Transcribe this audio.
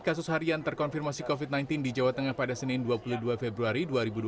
kasus harian terkonfirmasi covid sembilan belas di jawa tengah pada senin dua puluh dua februari dua ribu dua puluh